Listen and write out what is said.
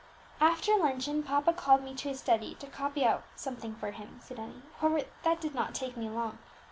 "After luncheon papa called me to his study to copy out something for him," said Emmie; "however, that did not take me long.